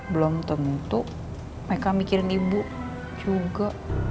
belum tentu mereka mikirin ibu juga